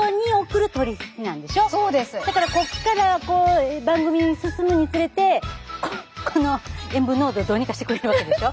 だからこっからこう番組進むにつれてこの塩分濃度をどうにかしてくれるわけでしょ？